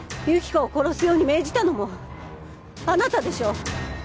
由紀子を殺すように命じたのもあなたでしょう。